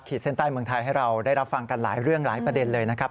เส้นใต้เมืองไทยให้เราได้รับฟังกันหลายเรื่องหลายประเด็นเลยนะครับ